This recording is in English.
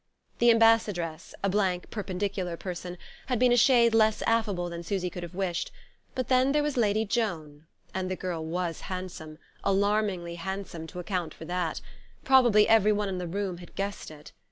The Ambassadress, a blank perpendicular person, had been a shade less affable than Susy could have wished; but then there was Lady Joan and the girl was handsome, alarmingly handsome to account for that: probably every one in the room had guessed it.